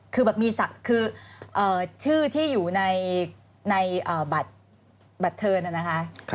คือแบบมีสักคือชื่อที่อยู่ในในบัตรบัตรเทินน่ะนะคะ